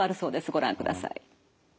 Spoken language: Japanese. ご覧ください。